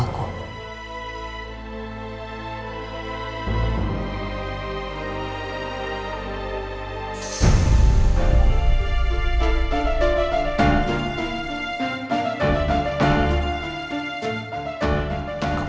aku nyesel bukan karena apa apa